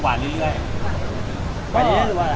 ก็ไม่ได้เลื่อยแล้ว